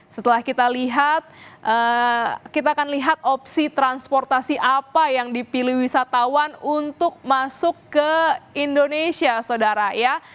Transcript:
setelah kita lihat kita akan lihat opsi transportasi apa yang dipilih wisatawan untuk masuk ke indonesia saudara ya